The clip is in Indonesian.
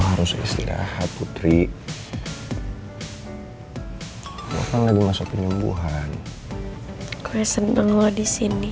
gue gak mau kehilangan orang yang paling gue cintai